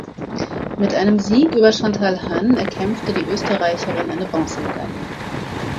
Mit einem Sieg über Chantal Han erkämpfte die Österreicherin eine Bronzemedaille.